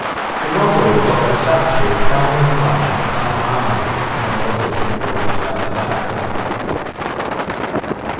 He modeled for Versace, Calvin Klein, and Armani, among others before he started acting.